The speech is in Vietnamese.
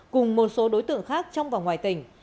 cùng một số đối tượng khác trong và ngoài tỉnh